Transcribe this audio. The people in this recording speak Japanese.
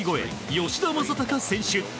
吉田正尚選手。